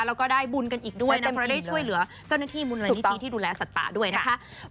แล้วก็ได้บุญกันอีกด้วยนะเพราะได้ช่วยเหลือเจ้าหน้าที่มูลนิธิที่ดูแลสัตว์ป่าด้วยนะคะ